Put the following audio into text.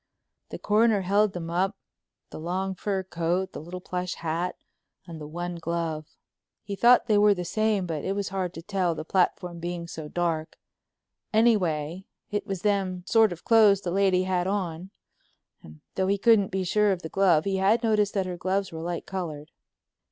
The Coroner held them up, the long fur coat, the little plush hat, and the one glove. He thought they were the same but it was hard to tell, the platform being so dark—anyway, it was them sort of clothes the lady had on, and though he couldn't be sure of the glove he had noticed that her gloves were light colored.